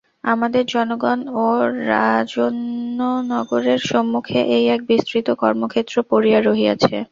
আমাদের জনগণ ও রাজন্যগণের সম্মুখে এই এক বিস্তৃত কর্মক্ষেত্র পড়িয়া রহিয়াছে।